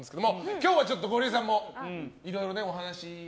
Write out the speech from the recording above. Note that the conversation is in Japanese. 今日は、ゴリエさんもいろいろお話を。